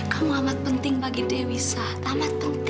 kamu amat penting bagi dewi saat amat penting